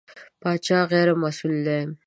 پاچا غېر مسوول دی.